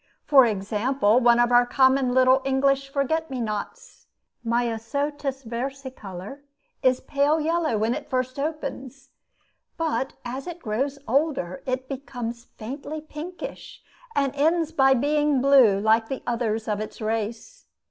For example, one of our common little English forget me nots, Myosotis versicolor, is pale yellow when it first opens; but as it grows older, it becomes faintly pinkish, and ends by being blue, like the others of its race.